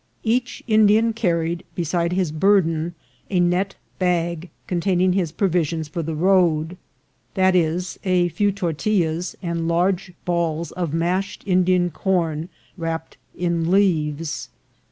Each Indian carried, be sides his burden, a net bag containing his provisions for the road, viz., a few tortillas, and large balls of mashed Indian corn wrapped in leaves.